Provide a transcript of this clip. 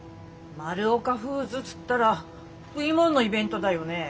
マルオカフーズっつったら食いもんのイベントだよね。